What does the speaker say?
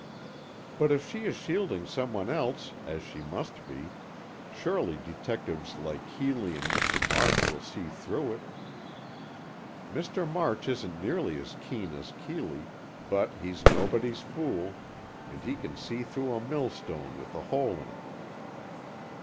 "But if she is shielding some one else, as she must be, surely detectives like Keeley and Mr. March will see through it. Mr. March isn't nearly as keen as Keeley, but he's nobody's fool, and he can see through a millstone with a hole in it."